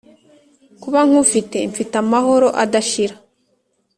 Kuba nkufite mfite amahoro adashira